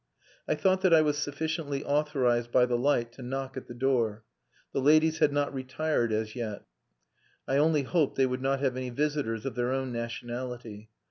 I thought that I was sufficiently authorized by the light to knock at the door. The ladies had not retired as yet. I only hoped they would not have any visitors of their own nationality.